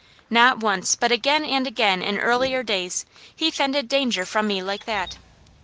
Not once, but again and again in earlier days, he fended danger from me like that.